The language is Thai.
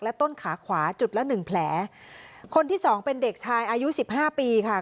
ต้นขาขวาจุดละหนึ่งแผลคนที่สองเป็นเด็กชายอายุสิบห้าปีค่ะ